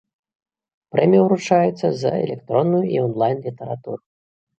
Прэмія ўручаецца за электронную і онлайн-літаратуру.